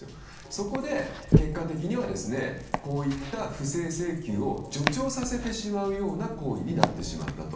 そこで、結果的にはこういった不正請求を助長させてしまうような行為になってしまったと。